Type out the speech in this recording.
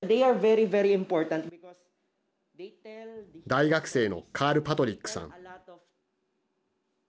大学生のカール・パトリックさん。